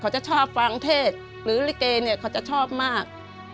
จะชอบฟังเทศหรือลิเกเนี่ยเขาจะชอบมาก